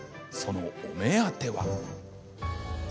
そのお目当ては？